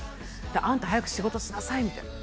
で「あんた早く仕事しなさい」みたいな